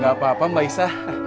gak apa apa mbak isa